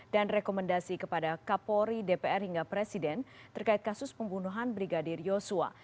dan rekomendasi kepada kapolri dpr hingga presiden terkait kasus pembunuhan brigadir yosua